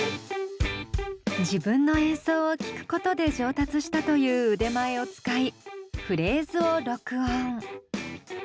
自分の演奏を聴くことで上達したという腕前を使いフレーズを録音。